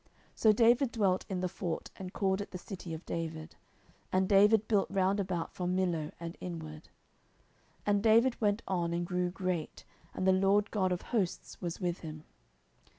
10:005:009 So David dwelt in the fort, and called it the city of David. And David built round about from Millo and inward. 10:005:010 And David went on, and grew great, and the LORD God of hosts was with him.